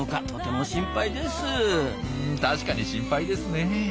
確かに心配ですね。